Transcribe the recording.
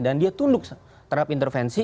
dan dia tunduk terhadap intervensi